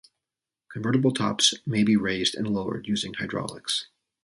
Convertible tops may be raised and lowered using hydraulics.